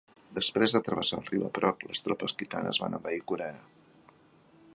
Després de travessar el riu Aprok, les tropes khitanes van envair Corea.